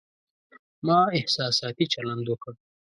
ما احساساتي چلند وکړ